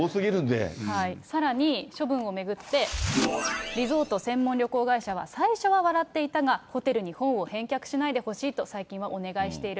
さらに処分を巡って、リゾート専門旅行会社は、最初は笑っていたが、ホテルに本を返却しないでほしいと最近はお願いしている。